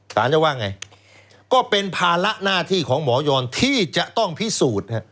สารจะว่าไงก็เป็นภาระหน้าที่ของหมอยอนที่จะต้องพิสูจน์